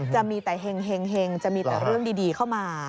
จะมีแต่เห็งจะมีแต่เรื่องดีเข้ามา